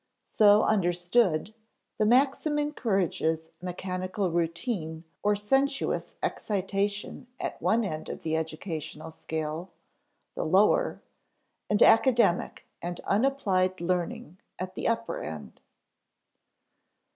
So understood, the maxim encourages mechanical routine or sensuous excitation at one end of the educational scale the lower and academic and unapplied learning at the upper end.